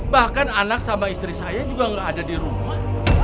bahkan anak sama istri saya juga nggak ada di rumah